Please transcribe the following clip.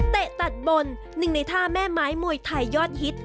ตัดบนหนึ่งในท่าแม่ไม้มวยไทยยอดฮิต